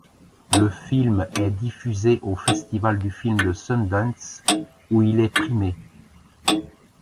Le film est diffusé au festival du film de Sundance où il est primé.